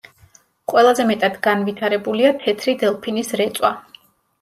ყველაზე მეტად განვითარებულია თეთრი დელფინის რეწვა.